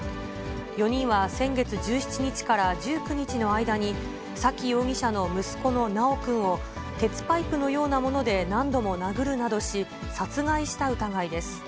４人は先月１７日から１９日の間に、沙喜容疑者の息子の修くんを、鉄パイプのようなもので何度も殴るなどし、殺害した疑いです。